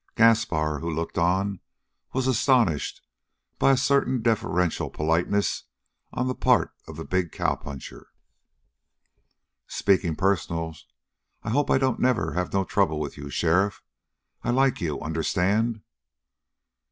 Gaspar, who looked on, was astonished by a certain deferential politeness on the part of the big cowpuncher. "Speaking personal, I hope I don't never have no trouble with you, sheriff. I like you, understand?"